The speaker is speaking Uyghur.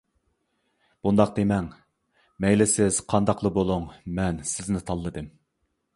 -بۇنداق دېمەڭ، مەيلى سىز قانداقلا بولۇڭ، مەن سىزنى تاللىدىم.